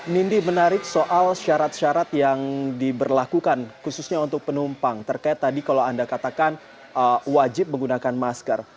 nindi menarik soal syarat syarat yang diberlakukan khususnya untuk penumpang terkait tadi kalau anda katakan wajib menggunakan masker